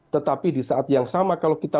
tetapi di saat yang sama kalau kita